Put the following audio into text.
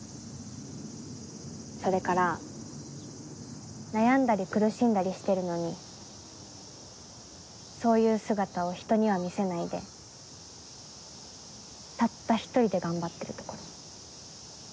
それから悩んだり苦しんだりしてるのにそういう姿を人には見せないでたった一人で頑張ってるところ。